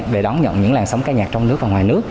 để đón nhận những làn sóng ca nhạc trong nước và ngoài nước